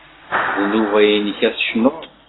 D nnuba-nnek ad tecnuḍ.